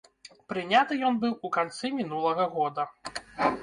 Прыняты ён быў у канцы мінулага года.